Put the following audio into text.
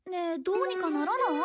どうにかならない？